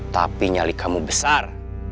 tapi nyali kamu besar